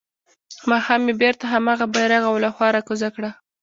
ماښام يې بيرته هغه بيرغ او لوحه راکوزه کړه.